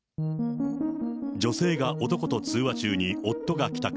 女性が男と通話中に夫が帰宅。